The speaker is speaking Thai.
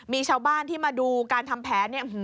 มีชาวบ้านที่มาดูการทำแผนเนี่ย